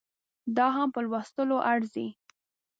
دا هم په لوستلو ارزي